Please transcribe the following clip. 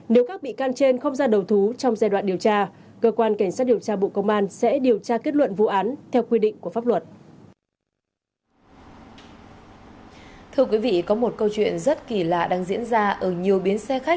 nếu các bị can trên không ra đầu thú trong giai đoạn điều tra